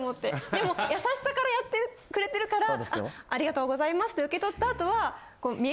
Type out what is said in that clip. でも優しさからやってくれてるからありがとうございますって受け取ったあとは。